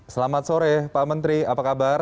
selamat sore pak menteri apa kabar